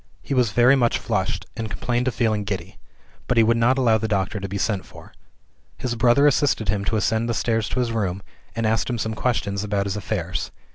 He was very much flushed, and complained of feeling giddy; but he would not allow the doctor to be sent for. His brother assisted him to ascend the stairs to his room, and asked him some questions about his affairs.